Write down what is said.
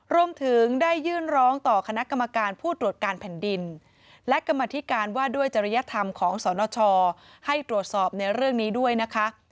รวมถึงได้ยื่นร้องต่อคณะกรรมการผู้ตรวจการแผ่นดินและกรรมธิการว่าด้วยจริยธรรมของสนชให้ตรวจสอบในเรื่องนี้ด้วยนะคะ